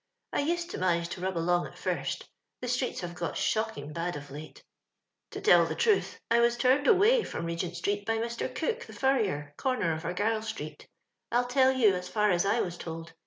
I used to manage to rub along at first — the streets have got shockin' bad of late. " To tell the truth, I was turned away from Regent street by Mr. Cook, the furrier, comer of Argylo Street. Ill tell you as for as I was told.